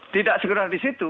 tidak segera di situ